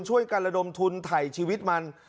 ช่วยกันระดมทุนไถ่ชีวิตมัน